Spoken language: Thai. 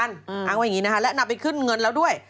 อ้างว่าอย่างนี้นะคะและนำไปขึ้นเงินแล้วด้วย